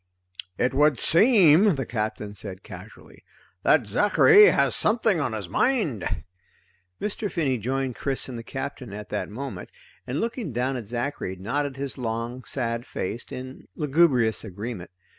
"It would seem," the Captain said casually, "that Zachary has something on his mind." Mr. Finney joined Chris and the Captain at that moment, and looking down at Zachary nodded his long sad face in lugubrious agreement.